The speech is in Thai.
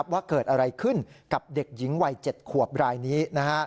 ว่าเกิดอะไรขึ้นกับเด็กหญิงวัย๗ขวบรายนี้